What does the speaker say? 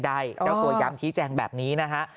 แล้วตัวย้ำที่แจ้งแบบนี้นะฮะ